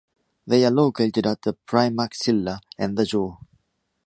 They are located at the praemaxilla and the jaw.